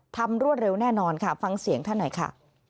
รวดเร็วแน่นอนค่ะฟังเสียงท่านหน่อยค่ะ